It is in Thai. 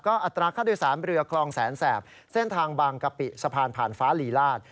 อัตราค่าโดยสารเรือคลองแสนแสบเส้นทางบางกะปิสะพานผ่านฟ้าลีลาศ